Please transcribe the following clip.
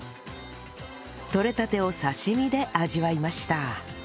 採れたてを刺身で味わいました